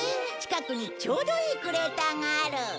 近くにちょうどいいクレーターがある。